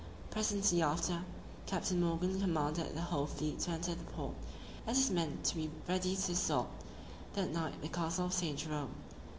Presently after, Captain Morgan commanded the whole fleet to enter the port, and his men to be ready to assault, that night, the castle of St. Jerome.